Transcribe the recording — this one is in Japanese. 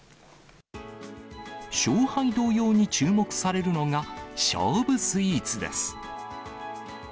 勝敗同様に注目されるのが、勝負スイーツです。